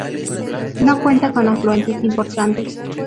No cuenta con afluentes importantes.